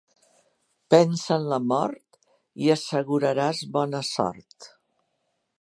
Pensa en la mort i asseguraràs bona sort.